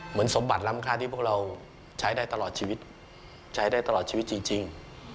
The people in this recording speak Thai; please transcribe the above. สมบัติล้ำค่าที่พวกเราใช้ได้ตลอดชีวิตใช้ได้ตลอดชีวิตจริง